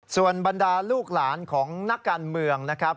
ส่วนบรรดาลูกหลานของนักการเมืองนะครับ